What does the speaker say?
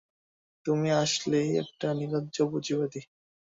তুমি আসলেই একটা নির্লজ্জ পুঁজিবাদী!